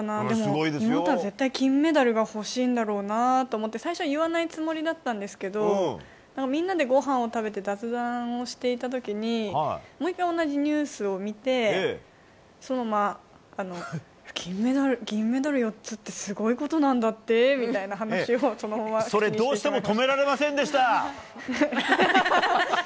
でも、妹は絶対、金メダルが欲しいんだろうなと思って最初は言わないつもりだったんですけどみんなでごはんを食べて雑談をしていた時にもう１回同じニュースを見て銀メダル４つってすごいことなんだってみたいな話をどうしても止められませんでした！